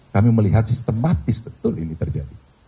kami melihat sistematis betul ini terjadi